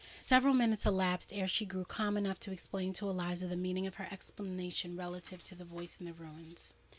Several minutes elapsed ere she grew calm enough to explain to Eliza the meaning of her exclamation relative to the voice in the ruins.